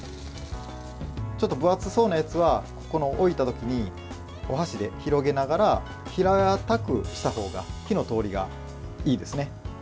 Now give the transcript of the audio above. ちょっと分厚そうなやつは置いた時に、お箸で広げながら平たくした方が火の通りがいいですね。